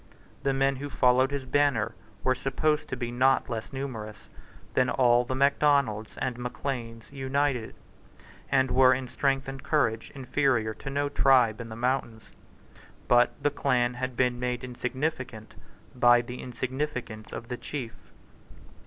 The men who followed his banner were supposed to be not less numerous than all the Macdonalds and Macleans united, and were, in strength and courage, inferior to no tribe in the mountains. But the clan had been made insignificant by the insignificance of the chief.